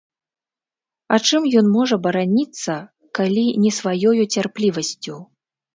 А чым ён можа бараніцца, калі не сваёю цярплівасцю.